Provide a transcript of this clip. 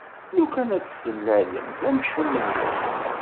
Lukan ad tt-tennalem, d amcum-nwen!